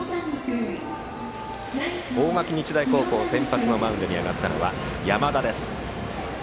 大垣日大高校先発のマウンドに上がったのは山田です。